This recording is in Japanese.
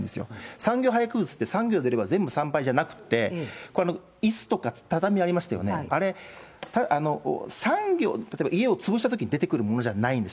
産業廃棄物って、産業で出れば全部産廃ではなくて、これ、いすとか畳ありましたよね、あれ、産業、例えば家を潰したときに出てくるものじゃないんです。